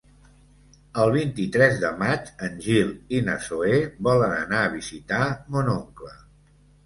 El vint-i-tres de maig en Gil i na Zoè volen anar a visitar mon oncle.